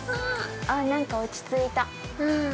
ああ、なんか落ちついた。